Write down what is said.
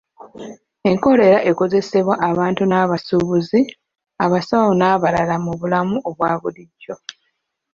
Enkola era ekozesebwa abantu ng’abasuubuzi, abasawo n’abalala mu bulamu obwa bulijjo.